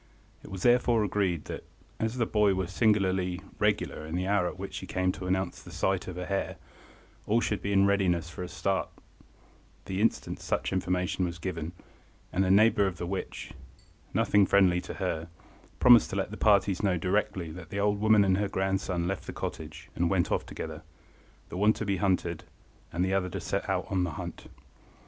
It was therefore agreed that, as the boy was singularly regular in the hour at which he came to announce the sight of the hare, all should be in readiness for a start the instant such information was given, and a neighbour of the witch, nothing friendly to her, promised to let the parties know directly that the old woman and her grandson left the cottage and went off together, the one to be hunted, and the other to set on the hunt.